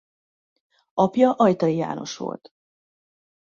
Apja Ajtai János volt.